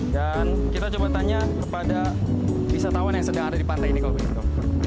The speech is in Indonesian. dan kita coba tanya kepada wisatawan yang sedang ada di pantai ini kalau begitu